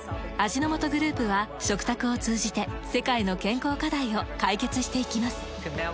味の素グループは食卓を通じて世界の健康課題を解決していきます。